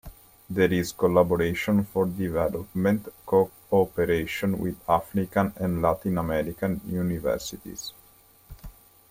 There is collaboration for development co-operation with African and Latin American universities.